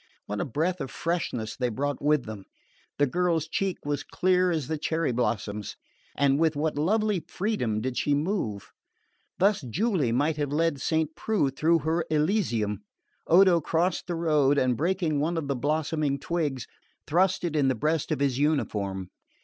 What a breath of freshness they brought with them! The girl's cheek was clear as the cherry blossoms, and with what lovely freedom did she move! Thus Julie might have led Saint Preux through her "Elysium." Odo crossed the road and, breaking one of the blossoming twigs, thrust it in the breast of his uniform.